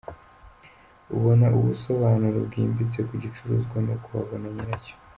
Ubona ubusobanura bwimbitse ku gicuruzwa nuko wabona nyiracyo.